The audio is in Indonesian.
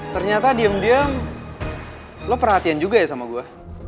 ternyata diem diem lo perhatian juga ya sama gue